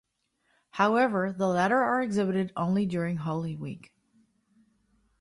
However the latter are exhibited only during Holy Week.